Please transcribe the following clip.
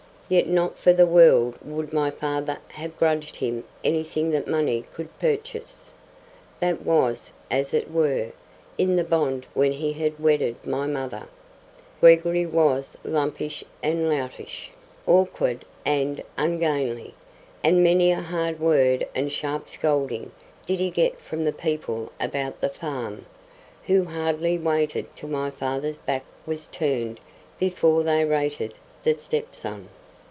Yet not for the world would my father have grudged him anything that money could purchase. That was, as it were, in the bond when he had wedded my mother. Gregory was lumpish and loutish, awkward and ungainly, marring whatever he meddled in, and many a hard word and sharp scolding did he get from the people about the farm, who hardly waited till my father's back was turned before they rated the stepson.